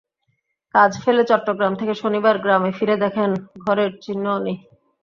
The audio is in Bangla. কাজ ফেলে চট্টগ্রাম থেকে শনিবার গ্রামে ফিরে দেখেন, ঘরের চিহ্নও নেই।